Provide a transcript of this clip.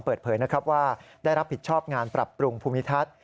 เปิดเผยนะครับว่าได้รับผิดชอบงานปรับปรุงภูมิทัศน์